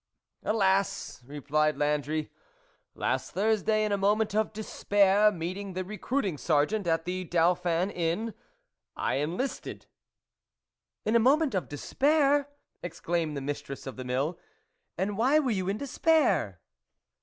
" Alas !" replied Landry, " last Thurs day, in a moment of despair, meeting the recruiting sergeant at the Dauphin Inn, I enlisted," " In a moment of despair !" exclaimed the mistress of the mill, " and why were you in despair